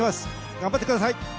頑張ってください！